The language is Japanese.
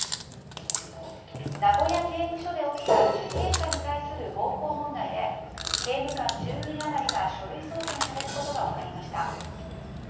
名古屋刑務所で起きた受刑者に対する暴行問題で刑務官１０人余りが書類送検されることが分かりました。